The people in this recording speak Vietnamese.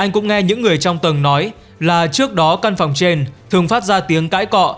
anh cũng nghe những người trong tầng nói là trước đó căn phòng trên thường phát ra tiếng cãi cọ